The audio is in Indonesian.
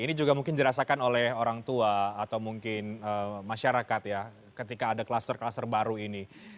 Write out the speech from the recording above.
ini juga mungkin dirasakan oleh orang tua atau mungkin masyarakat ya ketika ada kluster kluster baru ini